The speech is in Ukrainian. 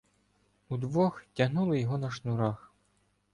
Удвох тягнули його на шнурах.